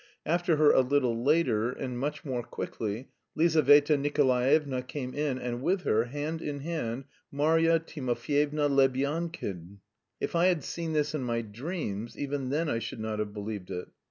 After her a little later and much more quickly Lizaveta Nikolaevna came in, and with her, hand in hand, Marya Timofyevna Lebyadkin! If I had seen this in my dreams, even then I should not have believed it.